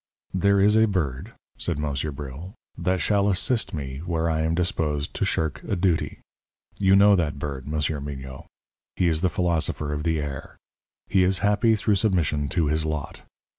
"There is a bird," said Monsieur Bril, "that shall assist me where I am disposed to shirk a duty. You know that bird, Monsieur Mignot; he is the philosopher of the air. He is happy through submission to his lot.